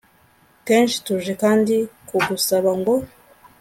kenshi. tuje kandi kugusaba ngo